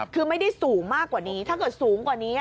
คือไม่ได้สูงมากกว่านี้